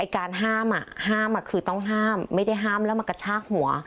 การห้ามห้ามคือต้องห้ามไม่ได้ห้ามแล้วมากระชากหัว